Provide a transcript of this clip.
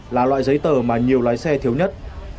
là loại giấy tờ mà nhiều lái xe thiếu nhất